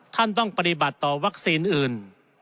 ท่านต้องปฏิบัติต่อวัคซีนอื่น